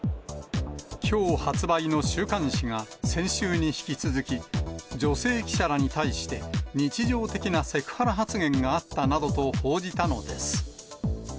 きょう発売の週刊誌が先週に引き続き、女性記者らに対して日常的なセクハラ発言があったなどと報じたのです。